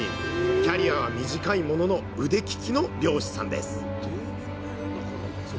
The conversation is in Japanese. キャリアは短いものの腕利きの漁師さんです